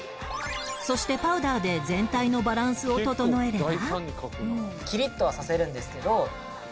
そしてパウダーで全体のバランスを整えれば